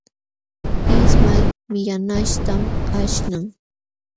Ismay millanaśhtam aśhnan.